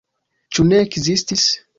Ĉu ne ekzistis?